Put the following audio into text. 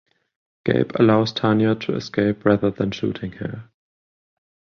Gabe allows Tanya to escape rather than shooting her.